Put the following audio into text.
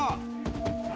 あ！